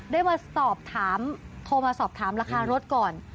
ได้มาสอบถามโทรมาสอบถามราคารถก่อน